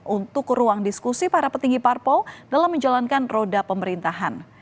untuk ruang diskusi para petinggi parpol dalam menjalankan roda pemerintahan